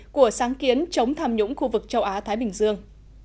của sáng kiến chống tham nhũng khu vực châu á thái bình dương